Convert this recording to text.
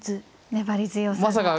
粘り強さが。